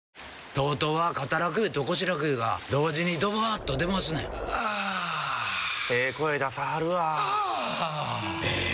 ＴＯＴＯは肩楽湯と腰楽湯が同時にドバーッと出ますねんあええ声出さはるわあええ